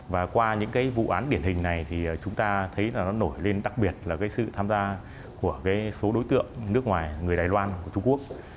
và qua những cái vụ án điển hình này thì chúng ta thấy là nó nổi lên đặc biệt là cái sự tham gia của cái số đối tượng nước ngoài người đài loan của trung quốc